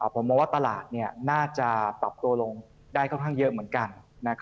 ผมมองว่าตลาดน่าจะปรับตัวลงได้ค่อนข้างเยอะเหมือนกัน